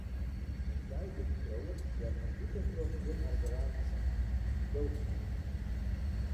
In deiboekskriuwer dêr't men út en troch gjin argewaasje fan hat, doocht net.